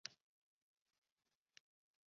信丰县是中国江西省赣州市所辖的一个县。